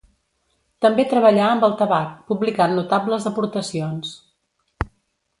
També treballà amb el tabac, publicant notables aportacions.